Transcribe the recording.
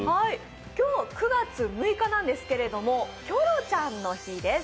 今日、９月６日なんですがキョロちゃんの日です。